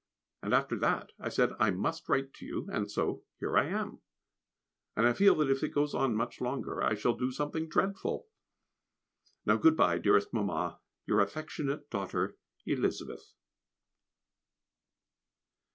And after that I said I must write to you, and so here I am, and I feel that if it goes on much longer I shall do something dreadful. Now good bye, dearest Mamma. Your affectionate daughter, Elizabeth.